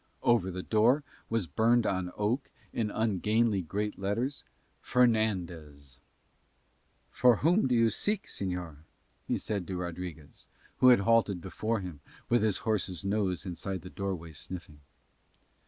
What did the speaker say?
Over the door was burned on oak in ungainly great letters "FERNANDEZ" "For whom do you seek, señor?" he said to Rodriguez, who had halted before him with his horse's nose inside the doorway sniffing.